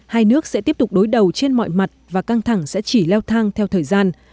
hai nước sẽ tiếp tục đối đầu trên mọi mặt và căng thẳng sẽ chỉ leo thang theo thời gian